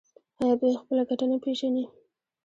آیا دوی خپله ګټه نه پیژني؟